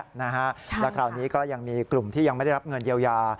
แล้วคราวนี้ก็ยังมีกลุ่มที่ยังไม่ได้รับเงินเยียวยา